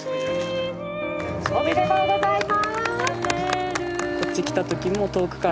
おめでとうございます！